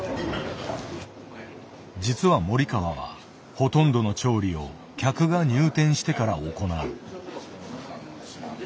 実は森川はほとんどの調理を客が入店してから行う。